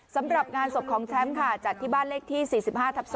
สำหรับงานศพของแชมป์ค่ะจัดที่บ้านเลขที่๔๕ทับ๒